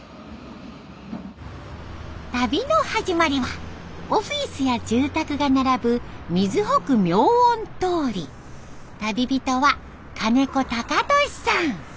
旅の始まりはオフィスや住宅が並ぶ旅人は金子貴俊さん。